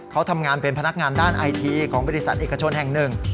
เขาทำงานเป็นพนักงานด้านไอทีของบริษัทเอกชนแห่งหนึ่ง